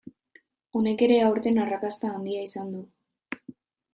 Honek ere aurten arrakasta handia izan du.